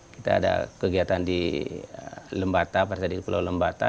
kita ada kegiatan di lembata pada saat itu di pulau lembata